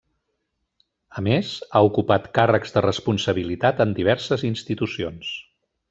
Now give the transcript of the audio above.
A més, ha ocupat càrrecs de responsabilitat en diverses institucions.